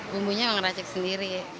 bumbunya ngeracek sendiri